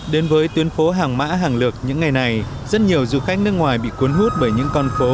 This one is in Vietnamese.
đến với tuyến phố hàng mã hàng lược những ngày này rất nhiều du khách nước ngoài bị cuốn hút bởi những con phố